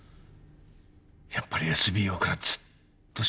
やっぱりＳＢＯからずっと閉まってたんだ。